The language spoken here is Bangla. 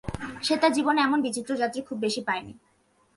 সে তার জীবনে এমন বিচিত্র যাত্রী খুব বেশি পায় নি।